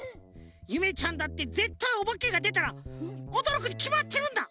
ゆめちゃんだってぜったいおばけがでたらおどろくにきまってるんだ！